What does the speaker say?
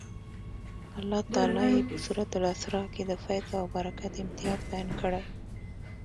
الله تعالی یې په سورة الاسرا کې د فیض او برکت امتیاز بیان کړی.